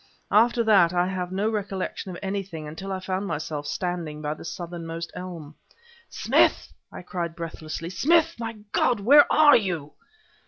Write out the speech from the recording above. After that I have no recollection of anything until I found myself standing by the southernmost elm. "Smith!" I cried breathlessly. "Smith! my God! where are you?"